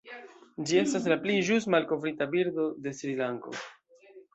Ĝi estas la pli ĵus malkovrita birdo de Srilanko.